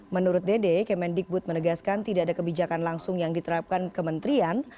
menurut dede kemendikbud menegaskan tidak ada kebijakan langsung yang diterapkan kementerian